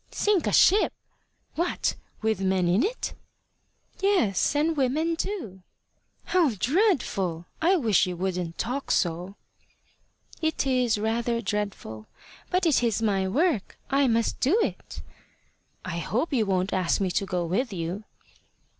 "Sink a ship! What! with men in it?" "Yes, and women too." "How dreadful! I wish you wouldn't talk so." "It is rather dreadful. But it is my work. I must do it." "I hope you won't ask me to go with you."